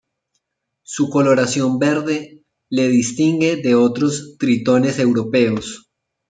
Su coloración verde le distingue de otros tritones europeos.